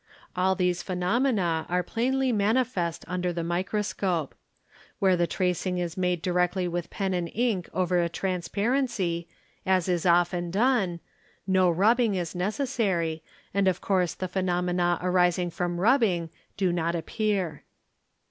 All these phenomena are plainly manifest under the Microscope. Where the tracing is made fe directly with pen and ink over a transparency, as is often done, no rub bing is necessary and of course the phenomena arising from rubbing do not appear.